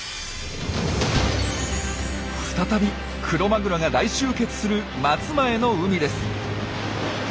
再びクロマグロが大集結する松前の海です。